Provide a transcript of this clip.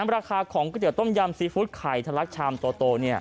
ราคาของก๋วยเตี๋ต้มยำซีฟู้ดไข่ทะลักชามโต